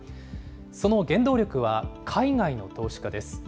その原動力は海外の投資家です。